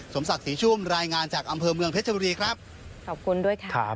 สมศักดิ์ศรีชุ่มรายงานจากอำเภอเมืองเพชรบุรีครับขอบคุณด้วยค่ะครับ